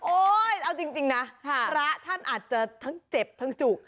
โอ้ยเอาจริงนะพระท่านอาจจะเจ็บถึงจูบ